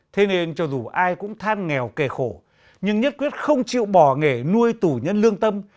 thế nên cho dù ai cũng than nghèo kề khổ nhưng nhất quyết không chịu bỏ nghề nuôi tù nhân lương tâm